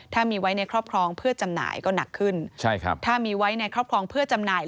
ถ้ามีไว้ในครอบครองเพื่อจำหน่ายก็หนักขึ้นใช่ครับถ้ามีไว้ในครอบครองเพื่อจำหน่าย